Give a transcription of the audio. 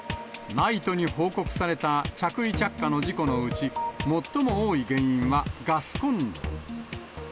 ＮＩＴＥに報告された着衣着火の事故のうち、最も多い原因はガスコンロ。